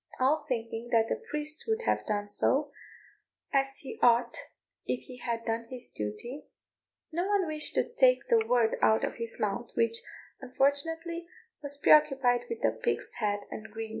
All thinking that the priest would have done so, as he ought if he had done his duty, no one wished to take the word out of his mouth, which, unfortunately, was preoccupied with pig's head and greens.